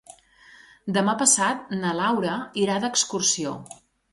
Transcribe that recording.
Demà passat na Laura irà d'excursió.